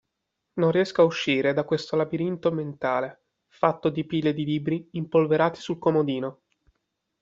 Non riesco a uscire da questo labirinto mentale, fatto di pile di libri impolverati sul comodino.